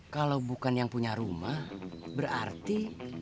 kalau bukan yang punya rumah berarti